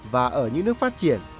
và ở những nước phát triển